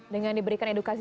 dengan diberikan edukasi